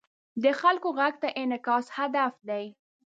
د خلکو غږ ته انعکاس هدف دی.